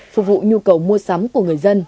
phục vụ nhu cầu mua sắm của người dân